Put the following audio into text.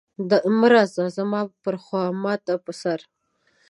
مه راځه زما پر خوا ما ورته په سر.